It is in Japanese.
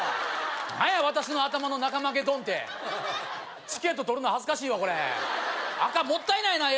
何や「私の頭の中マゲドン」ってチケットとるの恥ずかしいわこれアカンもったいないなええ